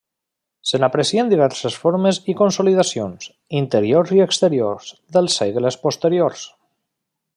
Se n'aprecien diverses formes i consolidacions, interiors i exteriors, dels segles posteriors.